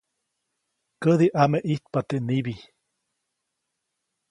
Kädi ʼame ʼijtapa teʼ nibi.